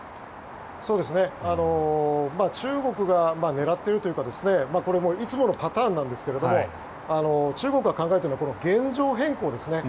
中国が狙っているというかこれ、いつものパターンなんですけども中国が考えているのは現状変更ですね。